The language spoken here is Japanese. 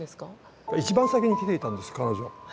一番先に来ていたんです彼女。